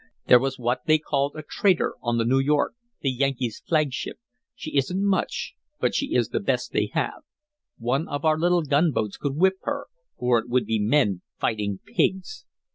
There was what they called a traitor on the New York, the Yankee's flagship. She isn't much, but she is the best they have. One of our little gunboats could whip her, for it would be men fighting pigs."